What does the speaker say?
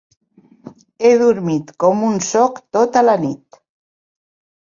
He dormit com un soc tota la nit.